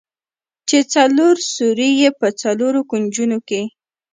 چې څلور سوري يې په څلورو کونجونو کښې.